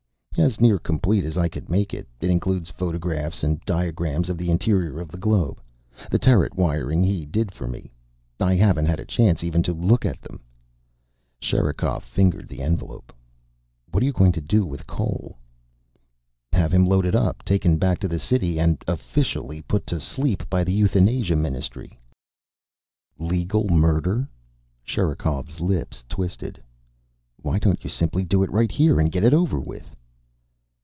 "As near complete as I could make it. It includes photographs and diagrams of the interior of the globe. The turret wiring he did for me. I haven't had a chance even to look at them." Sherikov fingered the envelope. "What are you going to do with Cole?" "Have him loaded up, taken back to the city and officially put to sleep by the Euthanasia Ministry." "Legal murder?" Sherikov's lips twisted. "Why don't you simply do it right here and get it over with?"